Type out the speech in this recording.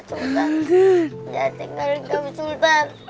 hai jatik lagi pas help